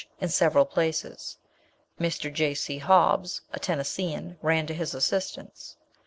in several places. Mr. J. C. Hobbs (a Tennessean) ran to his assistance.